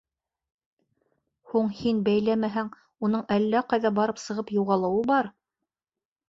— Һуң һин бәйләмәһәң, уның әллә ҡайҙа барып сығып юғалыуы бар.